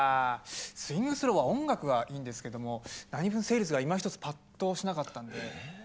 スゥイング・スローは音楽はいいんですけども何分セールスがいまひとつパッとしなかったんで。